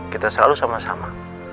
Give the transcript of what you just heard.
kita selalu sama sama